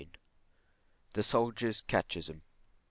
THE SOLDIER'S CATECHISM.